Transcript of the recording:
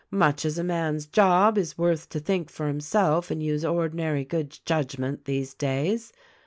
Much as a man's job is worth to think for himself and use ordinary good judg ment, these days.